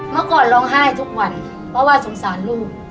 เมื่อก่อนร้องไห้ทุกวันเพราะว่าสงสารลูก